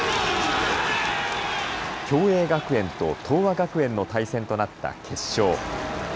共栄学園と東亜学園の対戦となった決勝。